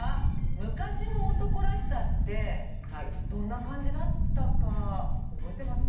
昔の男らしさってどんな感じだったか覚えてます？